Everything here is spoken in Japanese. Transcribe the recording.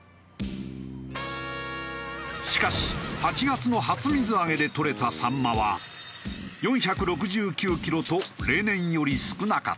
しかし８月の初水揚げでとれたサンマは４６９キロと例年より少なかった。